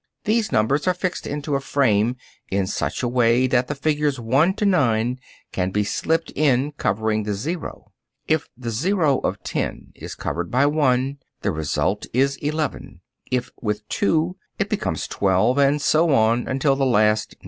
These numbers are fixed into a frame in such a way that the figures 1 to 9 can be slipped in covering the zero. If the zero of 10 is covered by 1 the result is 11, if with 2 it becomes 12, and so on, until the last 9.